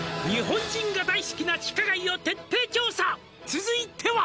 「続いては」